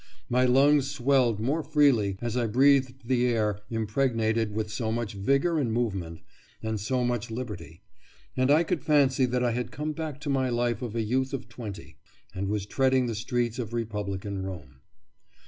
My lungs swelled more freely as I breathed the air impregnated with so much vigour and movement, and so much liberty, and I could fancy that I had come back to my life of a youth of twenty, and was treading the streets of republican Rome.